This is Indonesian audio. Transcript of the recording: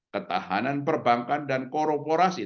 ketahanan perbankan dan korporasi